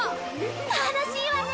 楽しいわね！